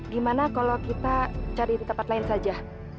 gimana kalau kita cari di tempat lain saja